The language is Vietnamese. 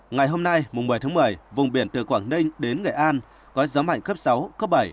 ngày hôm nay một mươi tháng một mươi vùng biển từ quảng ninh đến nghệ an có gió mạnh cấp sáu cấp bảy